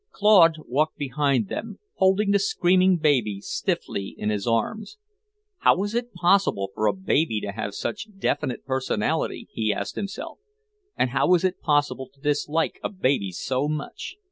Claude walked behind, holding the screaming baby stiffly in his arms. How was it possible for a baby to have such definite personality, he asked himself, and how was it possible to dislike a baby so much?